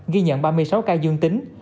ghi nhận ba mươi sáu ca dân tính